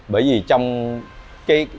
bởi vì trong cái